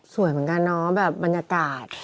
เหมือนกันเนาะแบบบรรยากาศ